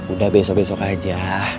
udah besok besok aja